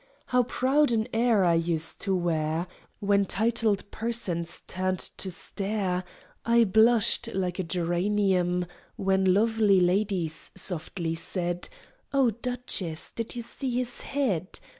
How proud an air I used to wear! When titled persons turned to stare, I blushed like a geranium. When lovely ladies softly said: "Oh, Duchess, did you see his head?"